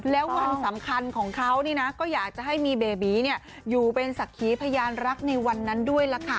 แล้ววันสำคัญของเขาก็อยากจะให้มีเบบีอยู่เป็นศักดิ์ขีพยานรักในวันนั้นด้วยล่ะค่ะ